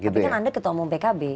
tapi kan anda ketemu pkb